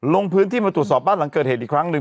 ลงพื้นที่มาตรวจสอบบ้านหลังเกิดเหตุอีกครั้งหนึ่ง